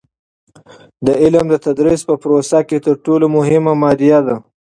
د علم د تدریس په پروسه کې تر ټولو مهمه مادیه ده.